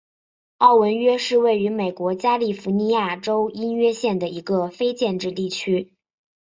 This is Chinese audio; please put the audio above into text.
奥文约是位于美国加利福尼亚州因约县的一个非建制地区。